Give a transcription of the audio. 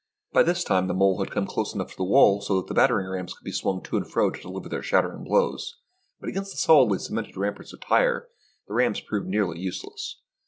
By this time the mole had come close enough to the wall so that the battering rams could be swung to and fro to deliver their shattering blows; but against the solidly cemented ramparts of Tyre, the rams proved nearly useless.